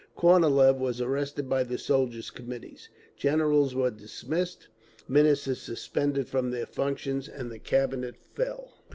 Kornilov was arrested by the Soldiers' Committees. Generals were dismissed, Ministers suspended from their functions, and the Cabinet fell.